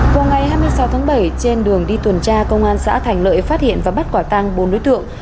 vào ngày hai mươi sáu tháng bảy trên đường đi tuần tra công an xã thành lợi phát hiện và bắt quả tăng bốn đối tượng